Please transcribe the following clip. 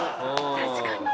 確かに。